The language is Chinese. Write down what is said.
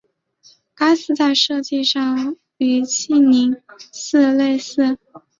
该寺在设计上与庆宁寺类似。